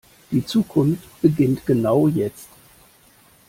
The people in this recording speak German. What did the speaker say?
Die Zukunft beginnt genau jetzt.